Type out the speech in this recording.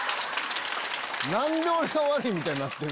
何で俺が悪いみたいになってんすか？